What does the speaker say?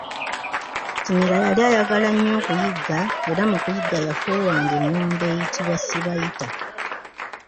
Kimera yali ayagala nnyo okuyigga era mu kuyigga yafuuwanga engombe eyitibwa sibayita.